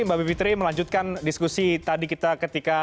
mbak bivitri melanjutkan diskusi tadi kita ketika